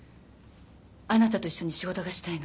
あなたと一緒に仕事がしたいの。